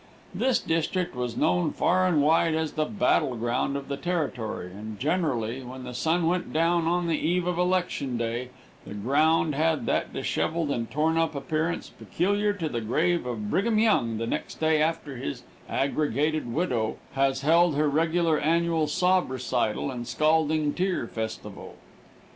This district was known far and wide as the battleground of the territory, and generally when the sun went down on the eve of election day the ground had that disheveled and torn up appearance peculiar to the grave of Brigham Young the next day after his aggregated widow has held her regular annual sob recital and scalding tear festival.